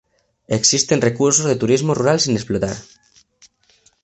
Existen recursos de turismo rural sin explotar.